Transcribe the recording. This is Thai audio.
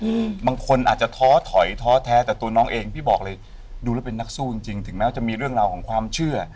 อืมบางคนอาจจะท้อถอยท้อแท้แต่ตัวน้องเองพี่บอกเลยดูแล้วเป็นนักสู้จริงจริงถึงแม้จะมีเรื่องราวของความเชื่อ